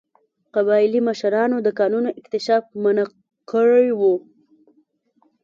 قبایلي مشرانو د کانونو اکتشاف منع کړی و.